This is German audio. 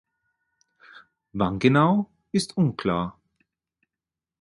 Wann genau ist unklar.